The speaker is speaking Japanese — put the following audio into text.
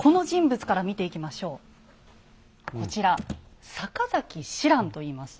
こちら坂崎紫瀾といいます。